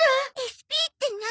ＳＰって何？